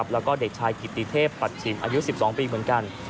แล้วก็เด็กชายกิติเทพปัชชินอายุ๑๒ปีเหมือนกัน